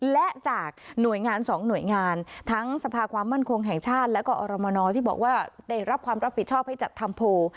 และจากหน่วยงาน๒หน่วยงานทั้งสภาความมั่นคงแห่งชาติและก็อรมนที่บอกว่าได้รับความรับผิดชอบให้จัดทำโพล